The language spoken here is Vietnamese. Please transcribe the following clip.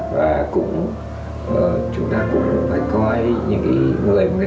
và chúng ta cũng phải coi những người mà người ta mong muốn